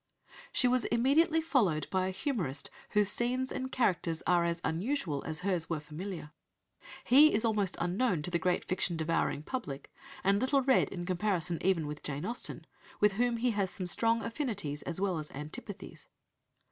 She was immediately followed by a humourist whose scenes and characters are as unusual as hers were familiar. He is almost unknown to the great fiction devouring public, and little read in comparison even with Jane Austen, with whom he has some strong affinities as well as antipathies.